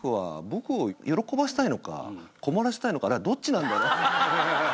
「僕を喜ばせたいのか困らせたいのかどっちなんだろう」